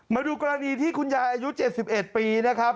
มาดูกรณีที่คุณยายอายุเจ็บสิบเอ็ดปีนะครับ